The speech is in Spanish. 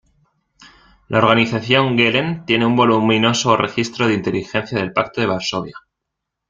La Organización Gehlen tiene un voluminoso registro de inteligencia del Pacto de Varsovia.